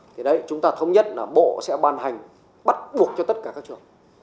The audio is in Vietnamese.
thì đấy chúng ta thống nhất là bộ sẽ ban hành bắt buộc cho tất cả các trường